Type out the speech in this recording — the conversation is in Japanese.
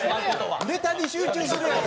ネタに集中するやろ。